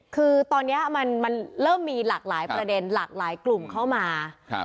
คือตอนนี้มันเริ่มมีหลากหลายประเด็นหลากหลายกลุ่มเข้ามา